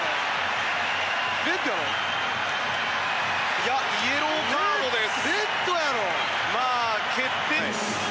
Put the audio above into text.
いやイエローカードです。